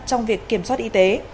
trong việc kiểm soát y tế